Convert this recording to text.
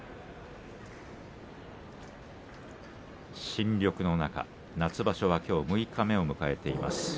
新緑の中、夏場所はきょう六日目を迎えています。